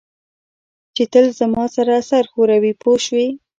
چې تل زما سره سر ښوروي پوه شوې!.